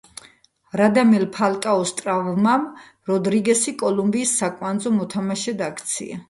რადამელ ფალკაოს ტრავმამ როდრიგესი კოლუმბიის საკვანძო მოთამაშედ აქცია.